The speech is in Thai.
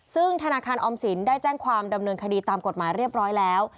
ซึ่งธนาคารออมสินได้แจ้งความดำเนินคดีตามกฎหมายเรียบร้อยแล้ว